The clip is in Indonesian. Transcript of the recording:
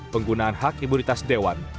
penggunaan hak imunitas dewan